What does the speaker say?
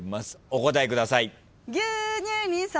お答えください。